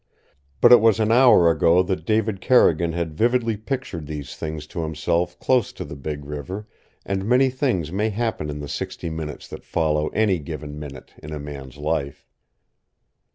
But it was an hour ago that David Carrigan had vividly pictured these things to himself close to the big river, and many things may happen in the sixty minutes that follow any given minute in a man's life.